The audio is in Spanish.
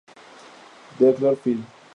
Dr. Phil.